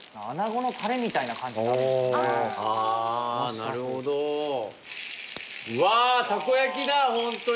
なるほどうわったこ焼きだホントに！